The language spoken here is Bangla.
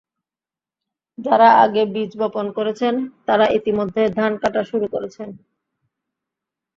যাঁরা আগে বীজ বপণ করেছেন তাঁরা ইতিমধ্যে ধান কাটা শুরু করেছেন।